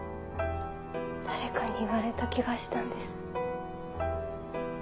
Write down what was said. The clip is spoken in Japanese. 誰かに言われた気がしたんです。